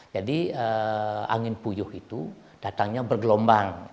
jadi angin puyuh itu datangnya bergelombang